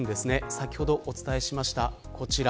先ほどお伝えしました、こちら。